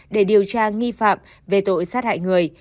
để điều tra nghi phạm về tội sát hại người